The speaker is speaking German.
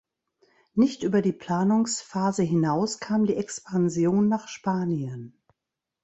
Nicht über die Planungsphase hinaus kam die Expansion nach Spanien.